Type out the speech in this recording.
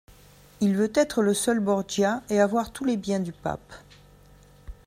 Il veut être le seul Borgia, et avoir tous les biens du pape.